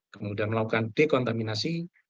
kemudian melakukan dekontaminasi